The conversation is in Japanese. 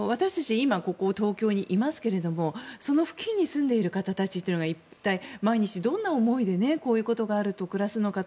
今、ここ東京にいますがその付近に住んでいる方たちというのが一体、毎日どんな思いでこういうことがあると暮らすのかと。